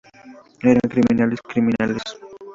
Eran criminales, criminales.